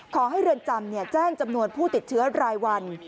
เรือนจำแจ้งจำนวนผู้ติดเชื้อรายวัน